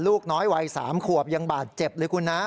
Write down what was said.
ลูกน้อยวัย๓ขวบยังบาดเจ็บเลยคุณนะ